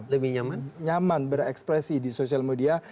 lebih nyaman berekspresi di sosial media